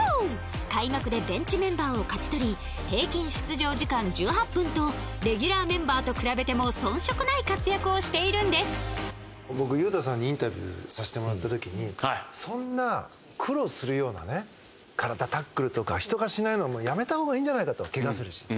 開幕でベンチメンバーを勝ち取り平均出場時間１８分とレギュラーメンバーと比べても遜色ない活躍をしているんです僕、雄太さんにインタビューさせてもらった時にそんな苦労するようなね体、タックルとか人がしないようなのはやめた方がいいんじゃないかとケガするし。